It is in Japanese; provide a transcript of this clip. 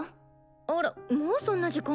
あらもうそんな時間？